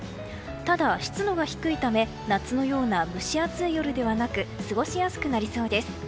ただ、湿度が低いため夏のような蒸し暑い夜ではなく過ごしやすくなりそうです。